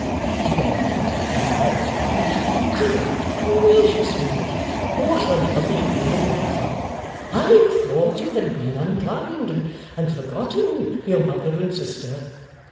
he then panted, incoherently. 'Good gracious me! What a lovely woman you are! I thought you had been unkind and forgotten your mother and sister.